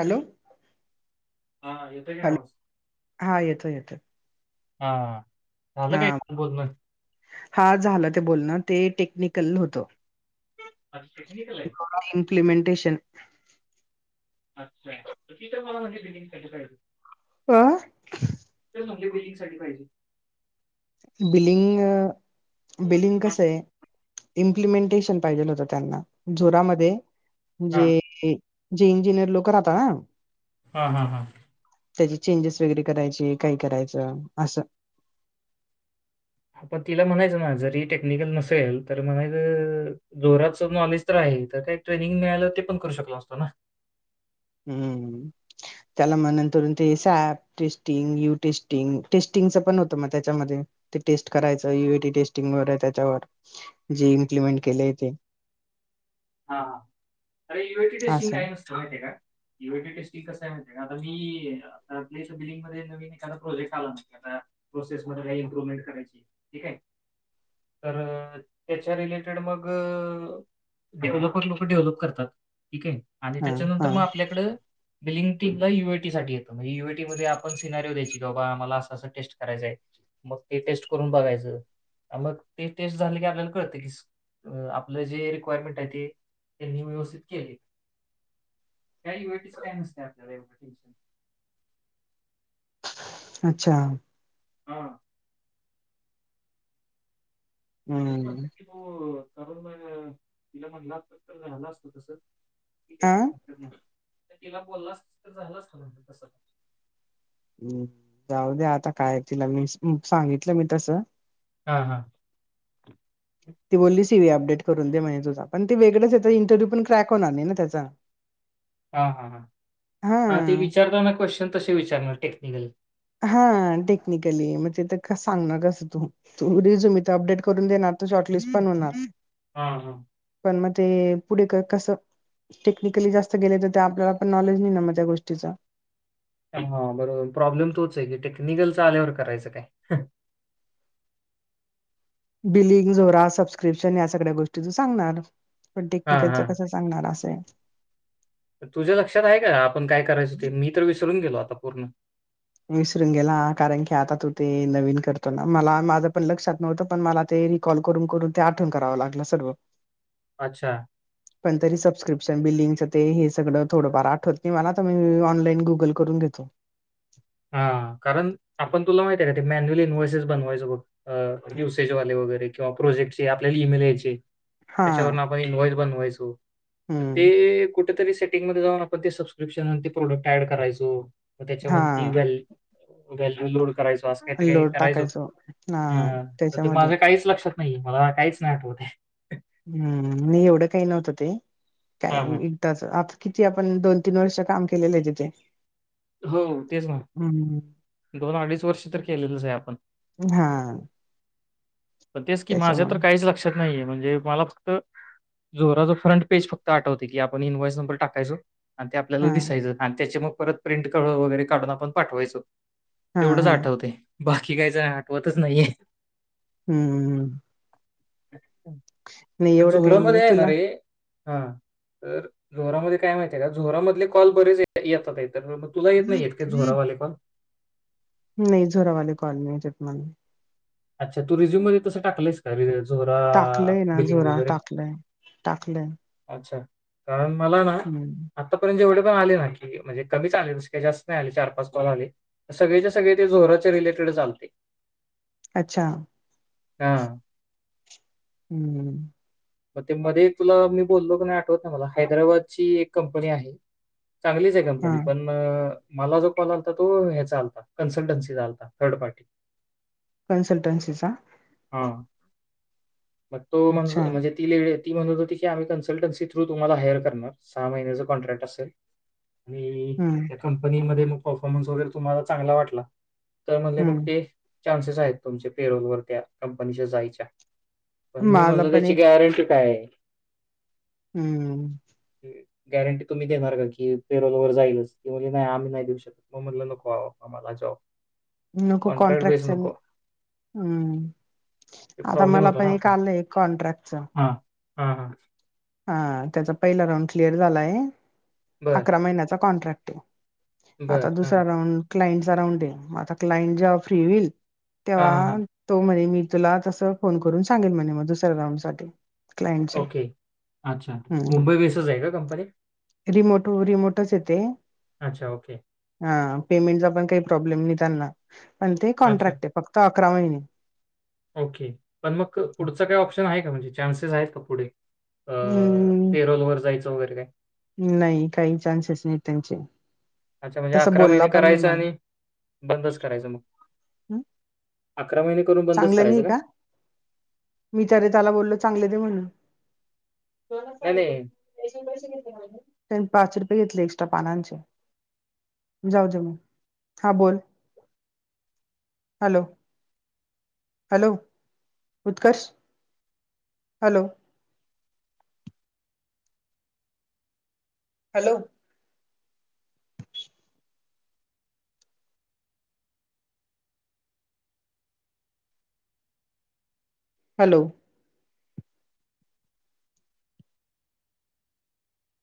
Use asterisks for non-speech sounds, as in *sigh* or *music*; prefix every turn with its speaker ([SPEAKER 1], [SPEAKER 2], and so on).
[SPEAKER 1] Hello.
[SPEAKER 2] हा येतोय काय
[SPEAKER 1] हॅलो.
[SPEAKER 2] आवाज
[SPEAKER 1] हा, येतोयं-येतोयं.
[SPEAKER 2] हा, झालं काय इथलं बोलणं?
[SPEAKER 1] हा, झालं ते बोलणं. ते टेक्निकल होतं.
[SPEAKER 2] आज टेक्निकल आहे.
[SPEAKER 1] इम्प्लीमेंटेशन.
[SPEAKER 2] अच्छा, तर ति तर मला म्हणे, बिलींग कसं करायचं?
[SPEAKER 1] आ.
[SPEAKER 2] म्हणजे बिलिंगसाठी पाहिजे.
[SPEAKER 1] बिलिंग-बिलिंग
[SPEAKER 2] हा
[SPEAKER 1] कसं आहे. इम्प्लिमेंटेशन पाहिजेल होत त्यांना, जोरामध्ये.
[SPEAKER 2] हा.
[SPEAKER 1] जे जे इंजिनियर लोक राहता ना
[SPEAKER 2] हा-हा, हा.
[SPEAKER 1] त्याचे चेंजेस वगैरे करायचे, काही करायचं असं.
[SPEAKER 2] पण तिला म्हणायचं ना, जरी टेक्निकल नसेल तर म्हणायचं. जोराच नॉलेज तर आहे, तर काही ट्रेनिंग मिळालं, ते पण करू शकला असतो ना?
[SPEAKER 1] हम्म. त्याला म्हण करून ते सॅप टेस्टिंग, यू टेस्टिंग, टेस्टिंगच पण होतं मग त्याच्यामध्ये. ते टेस्ट करायचं, युएटी टेस्टिंग वगैरे, त्याच्यावर जे इम्प्लिमेंट केले ते.
[SPEAKER 2] हा-हा अरे यूएटी टेस्टिंग
[SPEAKER 1] असं
[SPEAKER 2] काय नसतं? माहीतआहे का? युएटी टेस्टिंग कस आहे, माहिती का? बिलिंग मध्ये नवीन एखादा प्रोजेक्ट आला, आ प्रोसेस मध्ये काही इम्प्रवमेंट करायची. ठीक आहे, तर त्याच्या रिलेटेड मग डेव्हलपरं लोक डेव्हलप करतात, ठीक आहे, आणि
[SPEAKER 1] हा
[SPEAKER 2] त्याच्यानंतर
[SPEAKER 1] हा
[SPEAKER 2] मग आपल्याकडं बिलिंग टीमला युएटीसाठीे येतं म्हणजे, युएटी मध्ये आपण सिनारियो द्यायची की, बाबा, आमला असं-असं टेस्ट करायचं आहे. मग ते टेस्ट करून बघायचं, मग ते टेस्ट झाले की आपल्याला कळते की आपलं जे रिक्वायरमेंट आहे ते त्यांनी व्यवस्थित केले. काही युएटीच काही नसतं आपल्याला एवढं टेशन.
[SPEAKER 1] अच्छा.
[SPEAKER 2] हा. तेच
[SPEAKER 1] हम्म
[SPEAKER 2] म्हणत्यात की, म तिला म्हणला असतं तर झाला असतं तसचं. ठिक आहे,
[SPEAKER 1] आ
[SPEAKER 2] काय हरकत नाही. तर तिला बोललाच असतास, तर झालं असतं तसं.
[SPEAKER 1] हम्म, जाऊ द्या आता. काय, तिला मी सांगितलं मी तसं.
[SPEAKER 2] हा-हा.
[SPEAKER 1] ती बोलली सी व् अपडेट करून दे म्हणेज तुझ पण ते वेगंचचा इंटरव्यू पण क्रॅक होणार नाही. ना त्याचा
[SPEAKER 2] हा हा ह हा ते विचारत. ना क्वेश्चन तसे विचारणार टेक्निकल
[SPEAKER 1] हा टेक्निकली मग ते तर सांगणार. कसं तू तू रिझूम इथ अपडेट करून देणार. तर शॉर्टलिस्ट पण होणार
[SPEAKER 2] हा हा
[SPEAKER 1] पण मग ते पुढे कसं टेक्निकली जास्त गेले. तर त्या आपल्याला पण नॉलेज नाही. ना मग त्या गोष्टीचा
[SPEAKER 2] हा बरोबर प्रॉब्लेम तोच आहे. की टेक्निकलचा आल्यावर करायचं काय?
[SPEAKER 1] बिलिंग जोरा सबस्क्रिप्शन या सगळ्या गोष्टी त सांगणार. पण
[SPEAKER 2] हां,
[SPEAKER 1] टेक्निकलच
[SPEAKER 2] हां.
[SPEAKER 1] कस सांगणार असे.
[SPEAKER 2] तुझ्या लक्षात आहे. का आपण काय करायचं ते मी तर विसरून गेलो. आता पूर्ण
[SPEAKER 1] विसरून गेला. कारण की आता तू ते नवीन करतो. ना मला माझं पण लक्षात नव्हतं. पण मला ते कॉल करून करून ते आठवण करावं लागलं. सर्व
[SPEAKER 2] अच्छा
[SPEAKER 1] पण तरी सबस्क्रिप्शन बिलिंच ते हे सगळं थडफार आठवत मी मला तर मी ऑनलाईन गुगल करून घेतो.
[SPEAKER 2] हा कारण आपण तुला माहिती आहे. का ते मॅन्युअली इन्व्हसेस बनवायचं बघ अ युसेजवाले वगैरे किंवा प्रोजेक्टचे आपल्याला ईमेलचे
[SPEAKER 1] हा
[SPEAKER 2] त्याच्यावरून आपण इन वाॅईज बनवायचो
[SPEAKER 1] हम्म
[SPEAKER 2] ते कुठेतरी सेटिंगमध्ये जाऊन आपण ते सबस्क्रिप्शन ते प्रोडक्ट ऍड करायचो.
[SPEAKER 1] हा
[SPEAKER 2] त्याच्यामध्ये गॅलरी लोड करायचो. आस काही काही
[SPEAKER 1] लोड
[SPEAKER 2] करायचो.
[SPEAKER 1] टाकायचो हा
[SPEAKER 2] ते
[SPEAKER 1] त्याच्यामध्ये
[SPEAKER 2] माझं काहीच लक्षात न नाही मला काहीच नाही आठवत आहे.
[SPEAKER 1] हम्म मी एवढं काही नव्हतं. ते काय
[SPEAKER 2] हां, हां.
[SPEAKER 1] आता किती आपण दोन तीन वर्ष काम केलेलं आहे. तिथे
[SPEAKER 2] हो तेच मग,
[SPEAKER 1] हम
[SPEAKER 2] दोन अडीच वर्ष तर केलेलंच आहे. आपण
[SPEAKER 1] हा
[SPEAKER 2] पण तेच की माझ्या तर
[SPEAKER 1] त्याच्यामुळे
[SPEAKER 2] काहीच लक्षात नाहीये. म्हणजे मला फक्त जोराचं फ्रंट पेज फक्त आठवते. की आपण इनवाॅइस नंबर टाकायचो. आणि ते आपल्याला
[SPEAKER 1] हा
[SPEAKER 2] दिसायचं. आणि त्याचे मग परत प्रिंट वगैरे काढून आपण पाठवायचो.
[SPEAKER 1] हा
[SPEAKER 2] तेवढंच
[SPEAKER 1] हा
[SPEAKER 2] आठवते बाकी काहीच आठवतच नाहीये.
[SPEAKER 1] हम्म. नाही एवढं काही नाही
[SPEAKER 2] झोरोमध्ये आहे ना
[SPEAKER 1] तुला
[SPEAKER 2] रे हा तर झोरामध्ये काय माहित आहे. का झोरामधले कॉल बरेच येतात आहे तर तुला येत नाहीय का झोरावाले काॅल
[SPEAKER 1] नाही झोरावाली कॉल नाही आहे येत्यात. मला
[SPEAKER 2] अच्छा तू रिझ्यूमध्ये तस टाकलास का झोरा
[SPEAKER 1] टाकलंय ना
[SPEAKER 2] बिलिंग
[SPEAKER 1] झोरा
[SPEAKER 2] वगैरे
[SPEAKER 1] टाकलंय. टाकलंय
[SPEAKER 2] अच्छा कारण मला ना
[SPEAKER 1] हम्म
[SPEAKER 2] आत्तापर्यंत जेवढे पण आले. ना की म्हणजे कमीच आले जास्त नाही आले चार पाच बल आले. सगळेच्या सगळे ते जराचे रिलेटेड आलते.
[SPEAKER 1] अच्छा?
[SPEAKER 2] हा
[SPEAKER 1] हम्म
[SPEAKER 2] मग ते मध्ये तुला मी बोललो क नाही. आठवत मला हैदराबादची एक कंपनी आहे चांगलीच
[SPEAKER 1] हा
[SPEAKER 2] कंपनी पण मला जो कॉल आलता तो ह्याचा आलता कन्ल्टन्सी चा आलता थर्ड पार्टी
[SPEAKER 1] कन्सल्टन्सी चा
[SPEAKER 2] हा पण तो म्हण
[SPEAKER 1] अच्छा
[SPEAKER 2] म्हणजे ती लेडी ती म्हणतं हो ती की आम्ही कन्सल्टन्सी थ्रू तुम्हाला हायर करणार सहा महिन्याचा कॉन्ट्रॅक्ट असेल. *inaudible*
[SPEAKER 1] हम्म.
[SPEAKER 2] त्या कंपनीमध्ये मग परफॉर्मन्स वगैरे तुम्हाला चांगला वाटला तर म्हणले मग
[SPEAKER 1] हम्म
[SPEAKER 2] ते चान्सेस आहेत तुमचे पॅरोल वरती कंपनीच्या जायच्या पण मी
[SPEAKER 1] मला
[SPEAKER 2] म्हणल
[SPEAKER 1] पण
[SPEAKER 2] त्याची
[SPEAKER 1] एक
[SPEAKER 2] गॅरंटी काय आहे?
[SPEAKER 1] हम्म.
[SPEAKER 2] गॅरंटी तुम्ही देणार का की पेरोल वर जाईलच ती म्हणली नाही आम्ही नाही देऊ शकत. म म्हणल नको आओ आम्हाला जॉब
[SPEAKER 1] नको कॉन्ट्रॅक्ट
[SPEAKER 2] बेस
[SPEAKER 1] च आणि
[SPEAKER 2] नको
[SPEAKER 1] हम्म
[SPEAKER 2] ते
[SPEAKER 1] आता मला पण एक आलंय एक कॉन्ट्रॅक्टच
[SPEAKER 2] हा हा हा
[SPEAKER 1] हा त्याचा पहिला राऊंड क्लिअर झालाय
[SPEAKER 2] बर
[SPEAKER 1] अकरा महिन्याचा कॉन्ट्रॅक्ट ये.
[SPEAKER 2] बर
[SPEAKER 1] आता
[SPEAKER 2] हां
[SPEAKER 1] दुसरा राऊंड क्लायंटचा राऊंड ये आता क्लायंट जेव्हा फ्री होईल तेव्हा
[SPEAKER 2] हां हां
[SPEAKER 1] तो म्हणे मी तुला तस फोन करून सांगेल म्हणे मग दुसऱ्या राउंड साठी क्लायंटच्या
[SPEAKER 2] ओके अच्छा मुंबई बेसच आहे का कंपनी
[SPEAKER 1] रिमोट *inaudible* रिमोटच येते
[SPEAKER 2] अच्छा ओके.
[SPEAKER 1] हा पेमेंटचा पण काही प्रॉब्लेम नाही त्यांना पण ते
[SPEAKER 2] अच्छा
[SPEAKER 1] कॉन्ट्रॅक्ट आहे फक्त अकरा महिने
[SPEAKER 2] ओके पण मग पुढचा काय ऑप्शन आहे का म्हणजे चान्सेस आहेत का पुढे
[SPEAKER 1] हम्म
[SPEAKER 2] पेरोल वर जायचं वगैरे काय?
[SPEAKER 1] नाही काही चान्सेस नाही त्यांचे.
[SPEAKER 2] अच्छा म्हणजे
[SPEAKER 1] तसं
[SPEAKER 2] अकरा
[SPEAKER 1] बोलला
[SPEAKER 2] महिने
[SPEAKER 1] पण नाही
[SPEAKER 2] करायचं
[SPEAKER 1] मला
[SPEAKER 2] आणि बंदच करायचं मग
[SPEAKER 1] हं,
[SPEAKER 2] अकरा महिने करून बंदच
[SPEAKER 1] चांगलं नाही
[SPEAKER 2] करायचं
[SPEAKER 1] का मी तर त्याला बोलल चांगलं दे म्हणून.
[SPEAKER 2] नाही, नाही.
[SPEAKER 1] *unintelligible* त्याने पाच रुपये घेतले एक्स्ट्रा पानांचे. जाऊ दे मग हा बोल hello hello Utkarsh hello hello hello